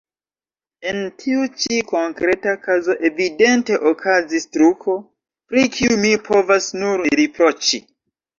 En tiu ĉi konkreta kazo evidente okazis truko, pri kiu mi povas nur riproĉi.